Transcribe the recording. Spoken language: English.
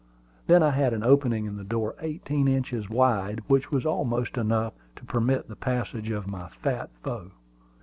Then I had an opening in the door eighteen inches wide, which was almost enough to permit the passage of my fat foe.